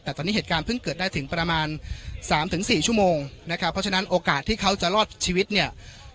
แต่ตอนนี้เหตุการณ์เพิ่งเกิดได้ถึงประมาณสามถึงสี่ชั่วโมงนะครับเพราะฉะนั้นโอกาสที่เขาจะรอดชีวิตเนี่ย